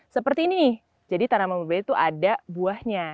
seperti ini jadi tanaman murbei itu ada buahnya